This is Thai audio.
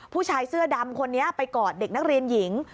ผู้ชายเสื้อดำคนนี้ไปกอดเด็กนักเรียนหญิง